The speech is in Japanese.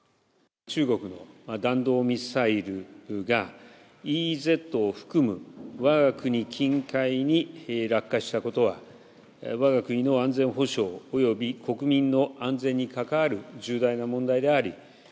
中国の弾道ミサイルがＥＥＺを含むわが国近海に落下したことは、わが国の安全保障および国民の安全に関わる重大な問題であり。